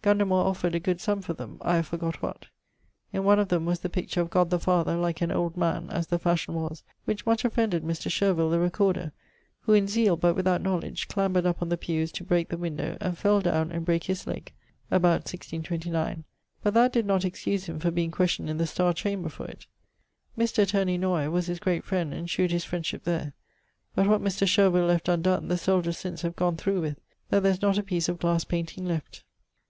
Gundamore offered a good summe for them; I have forgott . In one of them was the picture of God the Father, like an old man (as the fashion was), which much offended Mr. Shervill, the recorder, who in zeale (but without knowledge) clambered up on the pewes to breake the windowe, and fell downe and brake his legg (about 1629); but that did not excuse him for being question'd in the Starre chamber for it. Mr. Attorney Noy was his great friend, and shewed his friendship there. But what Mr. Shervill left undonne, the soldiers since have gonne through with, that there is not a piece of glass painting left.